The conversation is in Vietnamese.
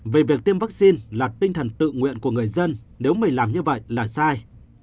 về việc tiêm vaccine là tinh thần tự nguyện của người dân nếu mình làm như vậy là sai